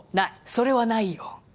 それはないよ